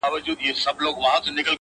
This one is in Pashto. لاري خالي دي له انسانانو٫